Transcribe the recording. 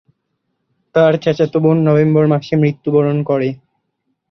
তার চাচাতো বোন নভেম্বর মাসে মৃত্যুবরণ করে।